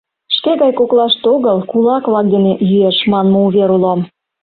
Шке гай коклаште огыл, кулак-влак дене йӱэш, манме увер уло».